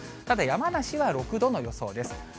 ただ山梨は６度の予想です。